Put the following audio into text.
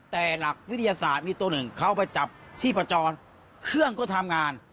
แต่หลักวิทยาศาสตร์มีตัวหนึ่งเข้าไปจับชีพจรเครื่องก็ทำงาน